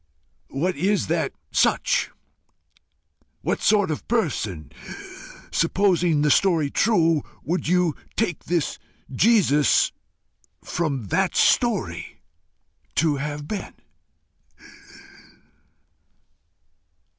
What is that SUCH? What sort of person, supposing the story true, would you take this Jesus, from that story, to have been?"